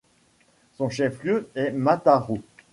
Son chef-lieu est Mataró.